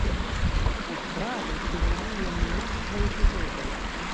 У справе фігуруе мноства эпізодаў.